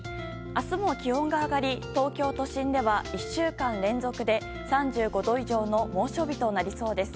明日も気温が上がり東京都心では１週間連続で３５度以上の猛暑日となりそうです。